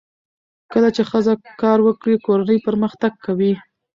کله چې ښځه کار وکړي، کورنۍ پرمختګ کوي.